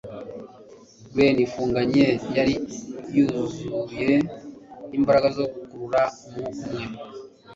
Glen ifunganye yari yuzuye imbaraga zo gukurura umwuka umwe